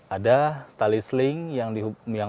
ada tali seling yang